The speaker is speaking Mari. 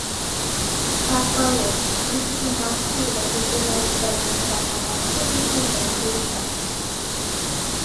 — Шкат палет: политико-массовый да культурно-воспитательный паша тачысе кечылан эн кӱлешан.